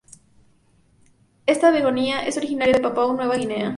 Esta begonia es originaria de Papua Nueva Guinea.